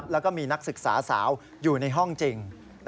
แล้วก็มีนักศึกษาสาวอยู่ในห้องจริง